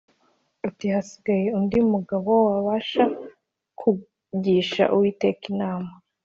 ati “Hasigaye undi mugabo twabasha kugisha Uwiteka inama